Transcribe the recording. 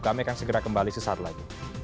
kami akan segera kembali sesaat lagi